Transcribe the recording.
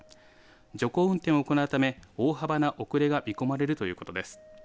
徐行運転を行うため大幅な遅れが見込まれるということです。